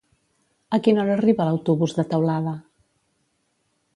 A quina hora arriba l'autobús de Teulada?